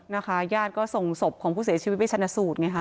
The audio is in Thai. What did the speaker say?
ญาติก็ส่งศพของผู้เสียชีวิตไปชนะสูตรไงคะ